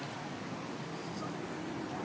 โปรดติดตามต่อไป